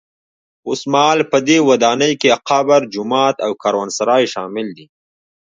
اوسمهال په دې ودانۍ کې قبر، جومات او کاروانسرای شامل دي.